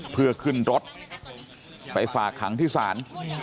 เพื่อขึ้นรถไปฝากขังที่ศาล